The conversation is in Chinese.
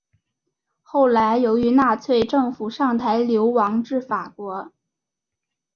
后来由于纳粹政府上台流亡至法国。